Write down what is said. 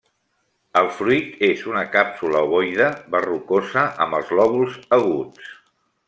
El fruit és una càpsula ovoide verrucosa amb els lòbuls aguts.